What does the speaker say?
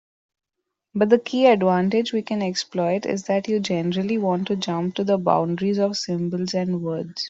But the key advantage we can exploit is that you generally want to jump to the boundaries of symbols and words.